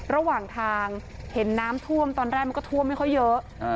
ระหว่างทางเห็นน้ำท่วมตอนแรกมันก็ท่วมไม่ค่อยเยอะ